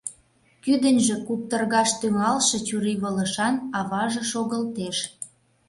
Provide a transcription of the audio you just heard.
Кӱдыньжӧ куптыргаш тӱҥалше чурийвылышан аваже шогылтеш.